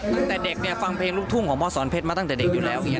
ตั้งแต่เด็กฟังเพลงลูกทุ่งของพ่อสอนเพชรมาตั้งแต่เด็กอยู่แล้ว